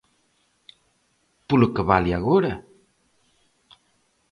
Polo que vale agora?